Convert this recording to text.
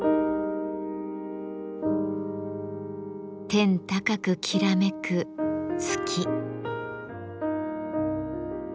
天高くきらめく月。